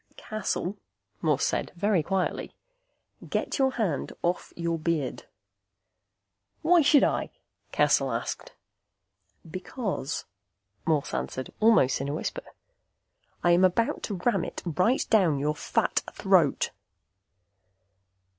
"Cassel," Morse said, very quietly. "Get your hand off your beard." "Why should I?" Cassel asked. "Because," Morse answered, almost in a whisper, "I am about to ram it right down your fat throat."